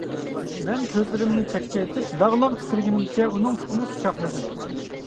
مەن كۆزلىرىمنى چەكچەيتىپ لاغ-لاغ تىترىگىنىمچە ئۇنىڭ پۇتىنى قۇچاقلىدىم.